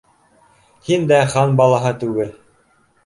Һин дә хан балаһы түгел.